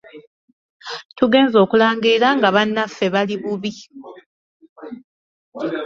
Tugenze okulangirira nga bannaffe bali bubi.